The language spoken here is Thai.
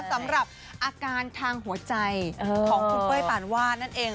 สำหรับอาการทางหัวใจของคุณเป้ยปานวาดนั่นเอง